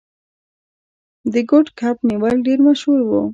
د کوډ کب نیول ډیر مشهور و.